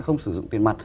không sử dụng tiền mặt